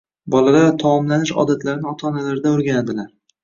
Bolalar taomlanish odatlarini ota-onalaridan o‘rganadilar